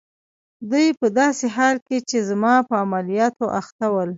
دوی په داسې حال کې چي زما په عملیاتو اخته ول.